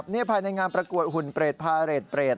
นี่ภายในงานประกวดหุ่นเปรตพาเรทเปรต